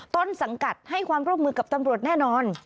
ต้นสังกัดให้ความร่วมมือกับตำรวจแน่นอน